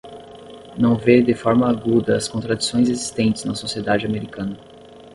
não vê de forma aguda as contradições existentes na sociedade americana